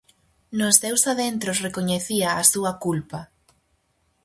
Nos seus adentros recoñecía a súa culpa.